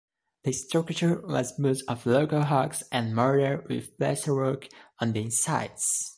The structure was built of local rocks and mortar with plasterwork on the insides.